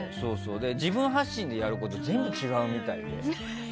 自分発信でやること全部違うみたいで。